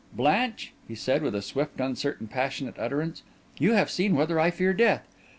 "Blanche," he said, with a swift, uncertain, passionate utterance, "you have seen whether I fear death.